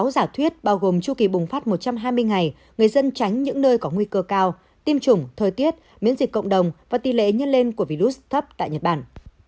sáu giả thuyết bao gồm chu kỳ bùng phát một trăm hai mươi ngày người dân tránh những nơi có nguy cơ cao tiêm chủng thời tiết miễn dịch cộng đồng và tỷ lệ nhân lên của virus thấp tại nhật bản